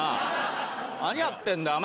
何やってんだよお前。